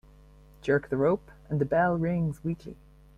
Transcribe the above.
Jerk the rope and the bell rings weakly.